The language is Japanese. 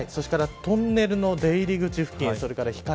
トンネルの出入り口付近、日陰。